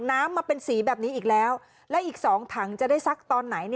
น้ำมาเป็นสีแบบนี้อีกแล้วและอีก๒ถังจะได้ซักตอนไหน